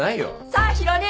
さあヒロ兄！